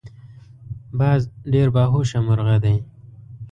باز ډیر باهوشه مرغه دی